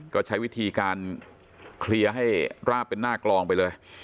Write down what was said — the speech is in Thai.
ก็ใช้วิธีการเคลียร์ให้ราบเป็นหน้ากลองไปเลย